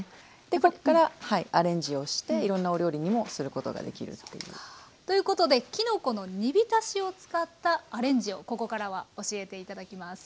でここからアレンジをしていろんなお料理にもすることができる。ということできのこの煮びたしを使ったアレンジをここからは教えて頂きます。